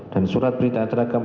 dan surat berita acara